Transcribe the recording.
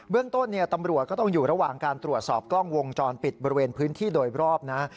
เรื่องต้นตำรวจก็ต้องอยู่ระหว่างการตรวจสอบกล้องวงจรปิดบริเวณพื้นที่โดยรอบนะ